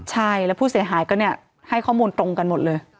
ใช่แล้วผู้เสียหายก็เนี่ยให้ข้อมูลตรงกันหมดเลย